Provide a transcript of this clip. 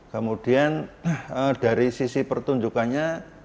kemudian dari sisi pertunjukannya